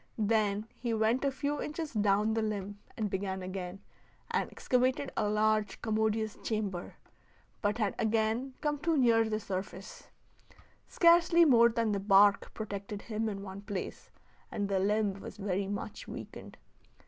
Then he went a few inches down the limb and began again, and excavated a large, commodious chamber, but had again come too near the surface; scarcely more than the bark protected him in one place, and the limb was very much weakened.